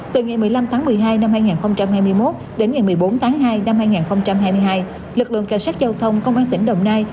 từ ngày một mươi năm tháng một mươi hai năm hai nghìn hai mươi một đến ngày một mươi bốn tháng hai năm hai nghìn hai mươi hai lực lượng cảnh sát giao thông công an tỉnh đồng nai